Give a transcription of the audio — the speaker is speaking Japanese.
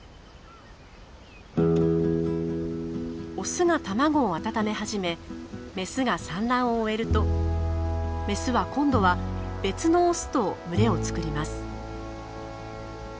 オスが卵を温め始めメスが産卵を終えるとメスは今度は別のオスと群れを作ります。